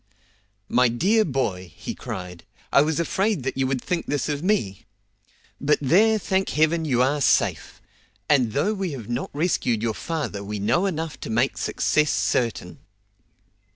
"My dear boy," he cried, "I was afraid that you would think this of me. But there, thank Heaven you are safe! and though we have not rescued your father we know enough to make success certain."